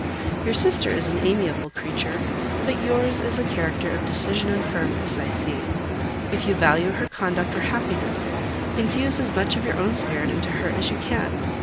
Your sister is an amiable creature; but yours is the character of decision and firmness, I see. If you value her conduct or happiness, infuse as much of your own spirit into her as you can.